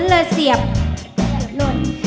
แล้วเสียบหลวน